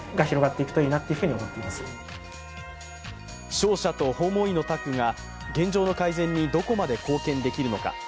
商社と訪問医のタッグが現状の改善にどこまで貢献できるのか。